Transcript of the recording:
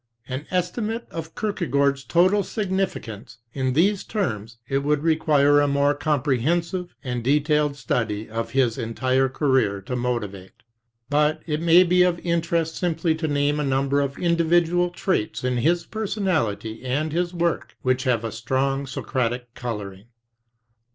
An estimate of Kierkegaard's total significance in these terms it would require a more comprehensive and detailed study of his entire career to motivate. But it may be of interest simply to name a number of individual traits in his personality and his work which have a strong Socratic coloring.